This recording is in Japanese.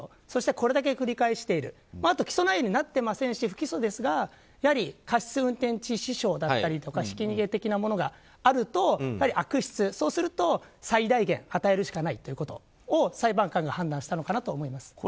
そして、これだけ繰り返しているあと起訴内容になっていませんし不起訴ですがやはり過失運転致死傷だったりひき逃げ的なものがあるとやはり悪質そうすると最大限与えるしかないということを裁判官が判断したのかなと思います。